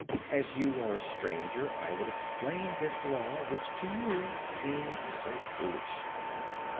As you are a stranger, I will explain this Law which to you seems so foolish.